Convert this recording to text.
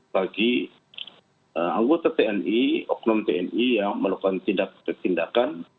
bagi anggota tni oknum tni yang melakukan tindakan